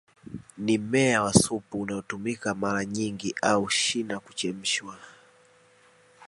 Ni mmea wa supu unaotumika mara nyingi au shina huchemshwa